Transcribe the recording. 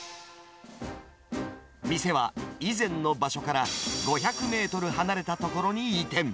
店は以前の場所から５００メートル離れた所に移転。